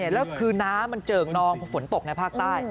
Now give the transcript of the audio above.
แล้วคือน้ำมันเจิกนองเพราะฝนตกในภาคใต้